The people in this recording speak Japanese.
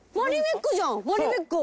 マリメッコ。